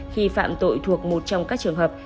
khi phạm tội thuộc một trong các trường hợp